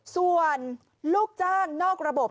ส่วนลูกจ้างนอกระบบ